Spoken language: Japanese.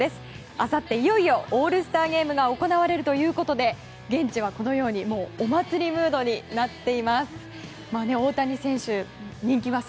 あさっていよいよオールスターゲームが行われるということで現地はこのようにお祭りムードになっています。